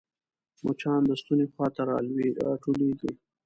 مچان د ستوني خوا ته راټولېږي